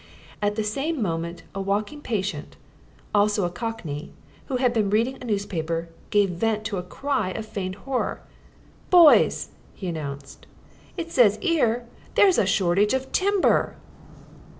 At the same moment a walking patient, also a cockney, who had been reading a newspaper, gave vent to a cry of feigned horror. "Boys!" he announced, "it says 'ere there's a shortage of timber!"